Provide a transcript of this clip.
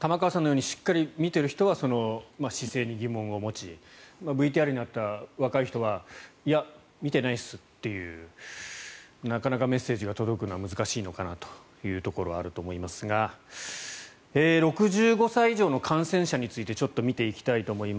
玉川さんのようにしっかり見ている人は姿勢に疑問を持ちＶＴＲにあった若い人はいや、見てないっすというなかなかメッセージが届くのは難しいのかなというところはあると思いますが６５歳以上の感染者についてちょっと見ていきたいと思います。